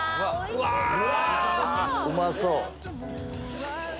うまそう。